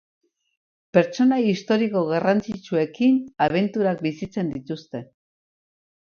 Pertsonai historiko garrantzitsuekin abenturak bizitzen dituzte.